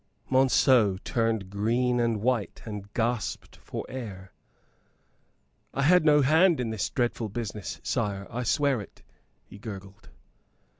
Monceux turned green and white, and gasped for air. "I had no hand in this dreadful business, sire, I swear it," he gurgled.